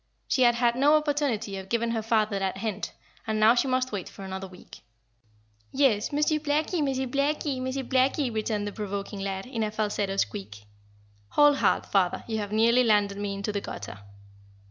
She had had no opportunity of giving her father that hint, and now she must wait for another week. "Yes, Monsieur Blackie Monsieur Blackie Monsieur Blackie," returned the provoking lad, in a falsetto squeak. "Hold hard, father, you have nearly landed me into the gutter."